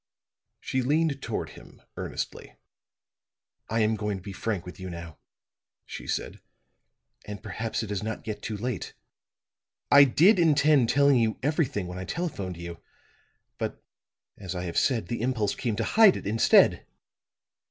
She leaned toward him earnestly. "I am going to be frank with you now," she said. "And perhaps it is not yet too late. I did intend telling you everything when I telephoned you, but, as I have said, the impulse came to hide it, instead!"